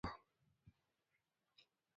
په خپل حسن وه مغروره خانتما وه